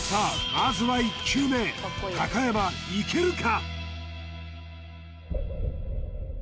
まずは１球目高山いけるか？